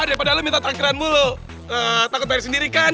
eee takut dari sendiri kan